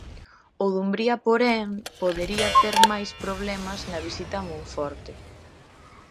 O Dumbría, porén, podería ter máis problemas na visita a Monforte.